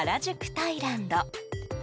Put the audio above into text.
タイランド。